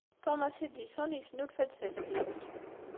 Thomas Edison yesnulfa-d taftilt.